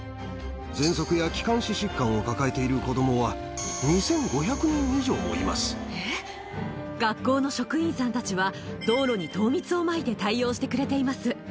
ぜんそくや気管支疾患を抱えている子どもは、２５００人以上もい学校の職員さんたちは、道路に糖蜜をまいて対応してくれています。